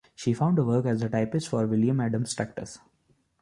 She found work as a typist for William Adams Tractors.